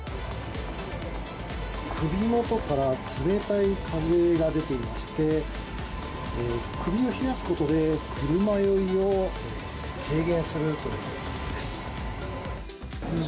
首元から冷たい風が出ていまして、首を冷やすことで車酔いを軽減するということです。